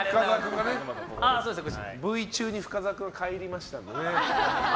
Ｖ中に深澤君が帰りましたのでね。